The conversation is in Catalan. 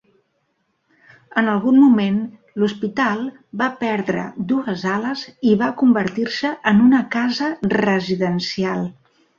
En algun moment l'hospital va perdre dues ales i va convertir-se en una casa residencial.